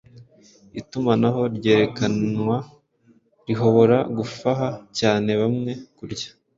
itumanaho ryerekanwa rihobora gufaha cyane bamwe kurya